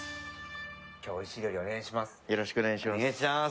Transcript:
今日はおいしい料理お願いします。